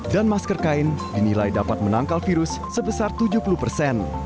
dan masker kain dinilai dapat menangkal virus sebesar tujuh puluh persen